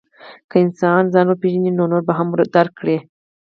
که انسان ځان وپېژني، نو نور به هم درک کړي.